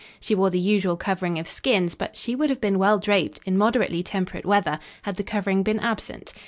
She wore the usual covering of skins, but she would have been well draped, in moderately temperate weather, had the covering been absent.